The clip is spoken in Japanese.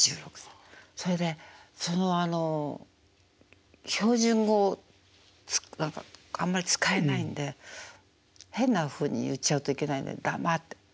それでそのあの標準語あんまり使えないんで変なふうに言っちゃうといけないんで黙って。